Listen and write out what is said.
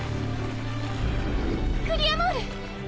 グリアモール！